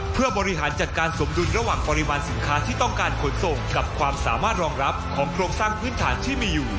เพื่อบริหารจัดการสมดุลระหว่างปริมาณสินค้าที่ต้องการขนส่งกับความสามารถรองรับของโครงสร้างพื้นฐานที่มีอยู่